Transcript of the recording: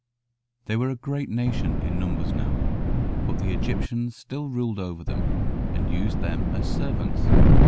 They were a great nation in numbers now, but the Egyptians still ruled over them, and used them as servants.